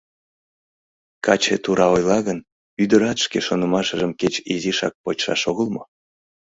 Каче тура ойла гын, ӱдырат шке шонымыжым кеч изишак почшаш огыл мо?